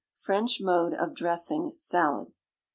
French Mode of Dressing Salad.